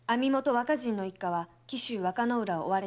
和歌仁の一家は紀州和歌浦を追われた